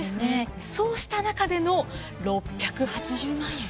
そうした中での６８０万円。